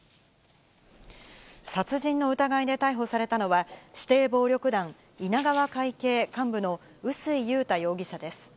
殺人の疑いで逮捕されたのは、指定暴力団稲川会系幹部の臼井裕太容疑者です。